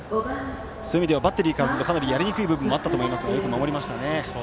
そういう意味ではバッテリーからするとかなり、やりにくい部分もあったと思いますがよく守りましたね。